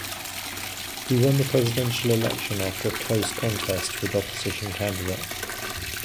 He won the presidential election after a close contest with opposition candidate.